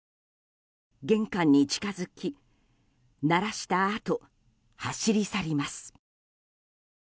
玄関に近づき、鳴らしたあと走り去ります。